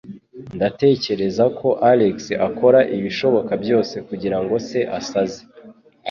Ndatekereza ko Alex akora ibishoboka byose kugirango se asaze.